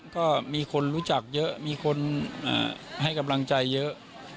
ก็มีคนรู้จักเยอะมีคนให้กำลังใจเยอะ